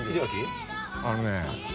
「あのね」